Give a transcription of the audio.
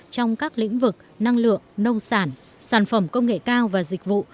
trong các lĩnh vực năng lượng nông sản sản phẩm công nghệ cao và dịch vụ